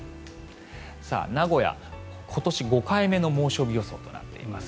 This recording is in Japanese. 名古屋、今年５回目の猛暑日予想となっています。